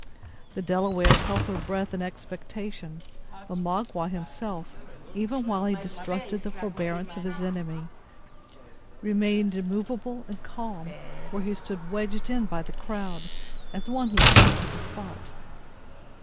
The Delawares held their breath in expectation; but Magua himself, even while he distrusted the forbearance of his enemy, remained immovable and calm, where he stood wedged in by the crowd, as one who grew to the spot.